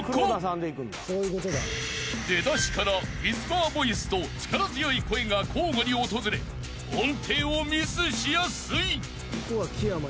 ［出だしからウィスパーボイスと力強い声が交互に訪れ音程をミスしやすい］